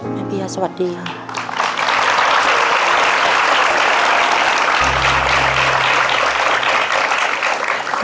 แม่เบียสวัสดีค่ะ